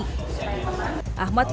ahmad fikri sukabumi